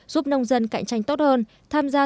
giúp nông dân cạnh tranh tốt hơn tham gia